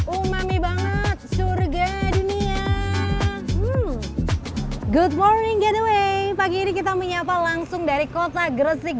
umami banget surga dunia good morning getaway pagi ini kita menyapa langsung dari kota gresik